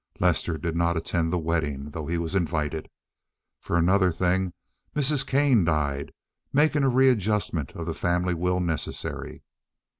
Lester did not attend the wedding, though he was invited. For another thing, Mrs. Kane died, making a readjustment of the family will necessary.